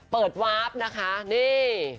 เปิดวาร์ฟนะคะนี่